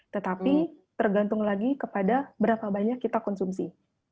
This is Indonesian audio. tetapi tergantung lagi kepada berapa banyak kita konsumsi